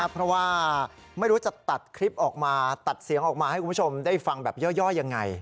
เพราะว่าไม่รู้จะตัดคลิปออกมาตัดเสียงออกมาให้คุณผู้ชมได้ฟังแบบย่อยังไง